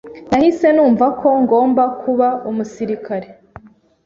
nahise numva ko ngomba kuba umusirikare